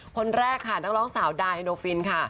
คนแรกค่ะนักร้องสาวดายโนฟินค่ะ